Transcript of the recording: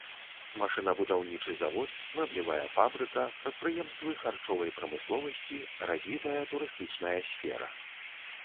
Машынабудаўнічы завод, мэблевая фабрыка, прадпрыемствы харчовай прамысловасці, развітая турыстычная сфера.